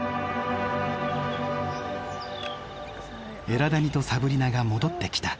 エラダニとサブリナが戻ってきた。